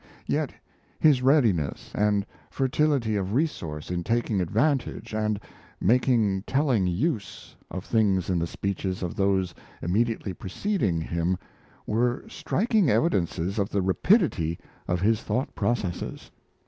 Yet his readiness and fertility of resource in taking advantage, and making telling use, of things in the speeches of those immediately preceding him, were striking evidences of the rapidity of his thought processes.